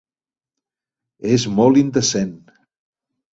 És molt indecent.